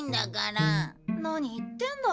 何言ってんだ。